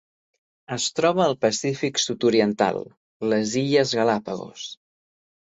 Es troba al Pacífic sud-oriental: les Illes Galápagos.